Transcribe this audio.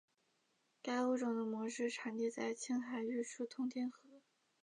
该物种的模式产地在青海玉树通天河。